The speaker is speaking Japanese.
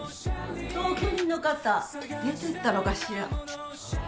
同居人の方出てったのかしら？